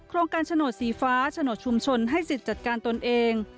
โครงการโฉนดสีฟ้าโฉนดชุมชนให้สิทธิ์จัดการตนเอง